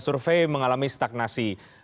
survei mengalami stagnasi